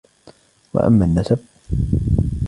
وَأَمَّا النَّسَبُ